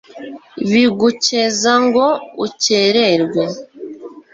bigukeza ngo ukererwe